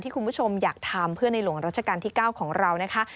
คุณผู้ชมอยากทำเพื่อในหลวงรัชกาลที่๙ของเรานะคะ